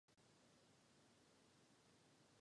Starší a dospělí jedinci mají hnědou barvu.